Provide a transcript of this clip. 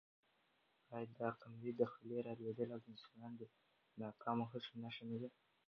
آیا د قمرۍ د خلي رالوېدل د انسان د ناکامو هڅو نښه نه ده؟